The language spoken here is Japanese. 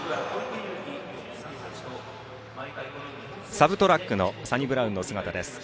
サブトラックのサニブラウンの姿です。